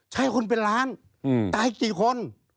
ใช่คนเป็นล้านตายกี่คน